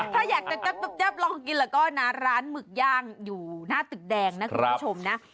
ถ้าอยากจะแป๊บลองกินแล้วก็นะร้านหมึกย่างอยู่หน้าตึกแดงนะคุณผู้ชมนะ